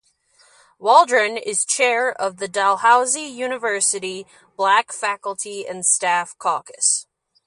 Waldron is Chair of the Dalhousie University Black Faculty and Staff Caucus.